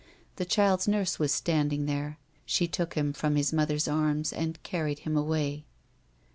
The child's nurse was stand ing there ; she took him from his mother's arms, and carried him away.